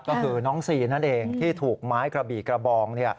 ก็คือน้องซีนั่นเองที่ถูกไม้กระบี่กระบอง